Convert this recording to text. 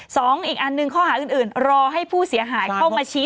สองอีกอันนึงห้อหาอย่างอื่นรอให้ผู้เสียหายเข้ามาชี้ตัว